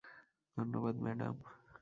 ধন্যবাদ, ম্যাডাম।